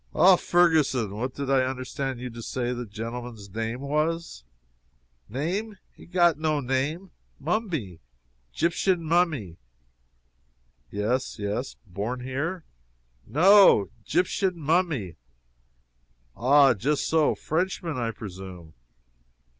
"Ah, Ferguson what did I understand you to say the gentleman's name was?" "Name? he got no name! Mummy! 'Gyptian mummy!" "Yes, yes. Born here?" "No! 'Gyptian mummy!" "Ah, just so. Frenchman, I presume?"